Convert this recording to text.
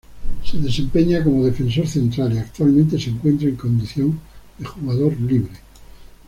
Se desempeña como defensor central y actualmente se encuentra en condición de jugador libre.